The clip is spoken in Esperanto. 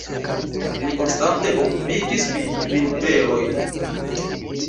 Li konstante okupiĝis pri vinberoj.